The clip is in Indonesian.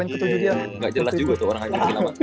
nggak jelas juga tuh orangnya